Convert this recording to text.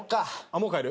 もう帰る？